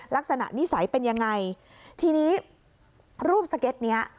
ลักษณะนิสัยเป็นยังไงทีนี้รูปสเก็ตเนี้ย